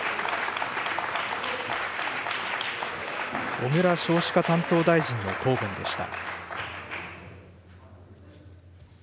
小倉少子化担当大臣の答弁でした。